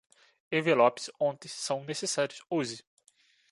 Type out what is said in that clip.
Envelopes ontem são necessários hoje.